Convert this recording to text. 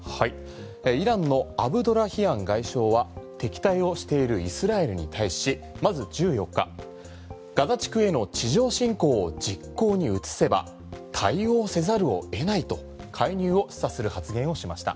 イランのアブドラヒアン外相は敵対をしているイスラエルに対しまず１４日ガザ地区への地上侵攻を実行に移せば対応せざるを得ないと介入を示唆する発言をしました。